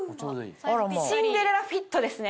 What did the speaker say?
シンデレラフィットですね？